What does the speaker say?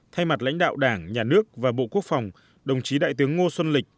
thay mặt lãnh đạo đảng nhà nước và bộ quốc phòng đồng chí đại tướng ngô xuân lịch